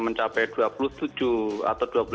mencapai dua puluh tujuh atau